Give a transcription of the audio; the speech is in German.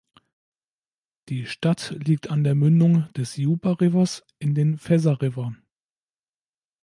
Die Stadt liegt an der Mündung des Yuba Rivers in den Feather River.